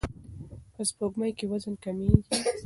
په سپوږمۍ کې وزن کمیږي.